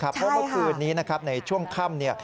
เพราะเมื่อคืนนี้ในช่วงค่ำ